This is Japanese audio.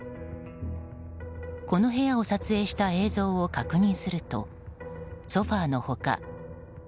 この部屋を撮影した映像を確認するとソファの他